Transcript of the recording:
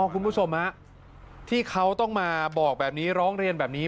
คุณผู้ชมที่เขาต้องมาบอกแบบนี้ร้องเรียนแบบนี้